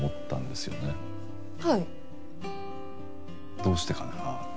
どうしてかなって。